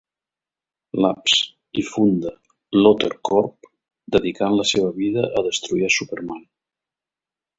Labs i funda LuthorCorp, dedicant la seva vida a destruir a Superman.